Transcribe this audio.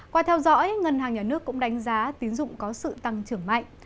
qua theo dõi ngân hàng nhà nước cũng đánh giá tín dụng có sự tăng trưởng mạnh